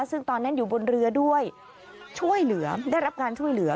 ซึ่งตอนนั้นอยู่บนเรือด้วยช่วยเหลือได้รับการช่วยเหลือ